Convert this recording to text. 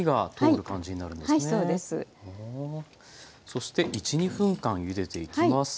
そして１２分間ゆでていきます。